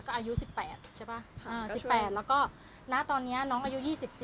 ก็อายุ๑๘ใช่ป่ะ๑๘แล้วก็ณตอนนี้น้องอายุ๒๔